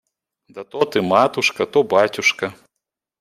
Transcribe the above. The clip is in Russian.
Да то ты, матушка, то батюшка.